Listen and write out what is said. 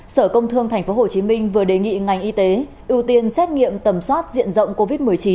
sở công thương tp hcm vừa đề nghị ngành y tế ưu tiên xét nghiệm tầm soát diện rộng covid một mươi chín